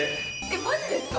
マジですか！？